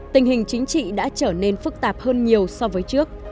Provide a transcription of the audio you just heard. tình hình chính trị đã trở nên phức tạp hơn nhiều so với trước